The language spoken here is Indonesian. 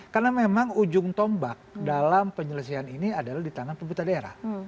karena memang ujung tombak dalam penyelesaian ini adalah di tangan pemerintah daerah